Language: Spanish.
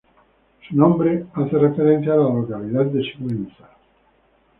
Su nombre hace referencia a la localidad de Sigüenza.